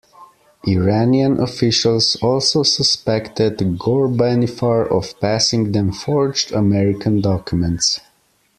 Iranian officials also suspected Ghorbanifar of passing them forged American documents.